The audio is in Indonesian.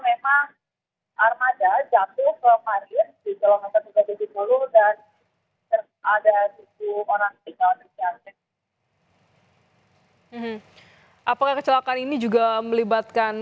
kita jadi kejadian yang aku perkenalkan